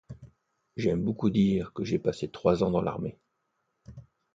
J'aime beaucoup dire que j'ai passé trois ans dans l'armée...